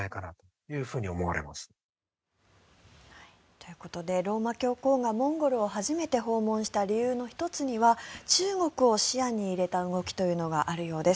ということでローマ教皇がモンゴルを初めて訪問した理由の１つには中国を視野に入れた動きというのがあるようです。